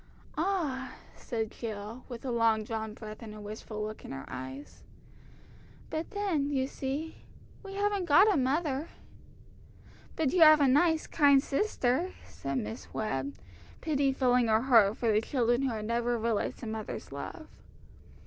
"Ah," said Jill, with a long drawn breath and a wistful look in her eyes; "but then, you see, we haven't got a mother." "But you have a nice kind sister," said Miss Webb, pity filling her heart for the children who had never realised a mother's love.